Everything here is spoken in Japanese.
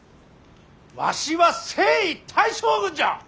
わしは征夷大将軍じゃ！